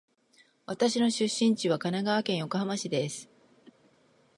私の出身地は神奈川県横浜市です。